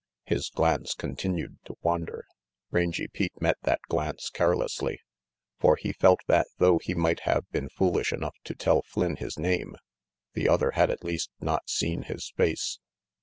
His glance continued to wander. Rangy Pete met that glance carelessly. For he felt that though he might have been foolish enough to tell Flynn his name, the other had at least not seen his face.